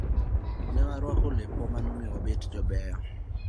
Ne warwako lepwa ma ne omiyo wabet jobeyo